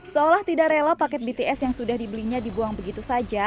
seolah tidak rela paket bts yang sudah dibelinya dibuang begitu saja